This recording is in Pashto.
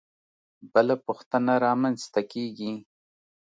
بله پوښتنه رامنځته کېږي.